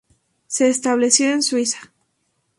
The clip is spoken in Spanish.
Se estableció en Suiza.